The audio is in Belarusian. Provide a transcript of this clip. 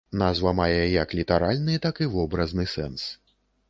Назва мае як літаральны, так і вобразны сэнс.